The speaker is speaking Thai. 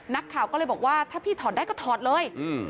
นักข่าวก็เลยบอกว่าถ้าพี่ถอดได้ก็ถอดเลย